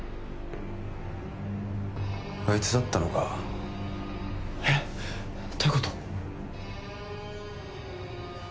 あいつだったのかえっどういうこと？